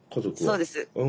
そうです。